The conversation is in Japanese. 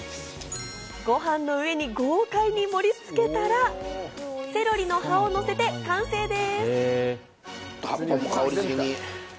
ご飯の上に豪快に盛りつけたら、セロリの葉をのせて完成です。